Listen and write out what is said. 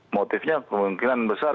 motifnya kemungkinan besar